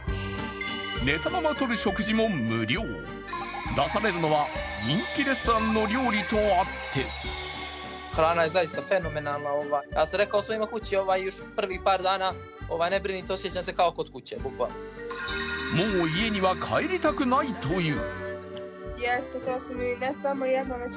寝たままとる食事も無料、出されるのは人気レストランの料理とあってもう家には帰りたくないという。